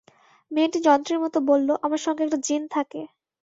মেয়েটি যন্ত্রের মতো বলল, আমার সঙ্গে একটা জিন থাকে।